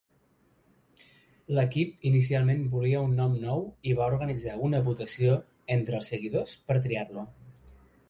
L'equip inicialment volia un nom nou i va organitzar una votació entre els seguidors per triar-lo.